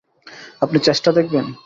আপনি চেষ্টা দেখবেন?